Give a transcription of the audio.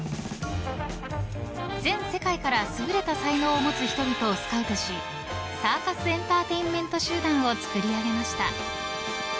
［全世界から優れた才能を持つ人々をスカウトしサーカスエンターテインメント集団をつくりあげました］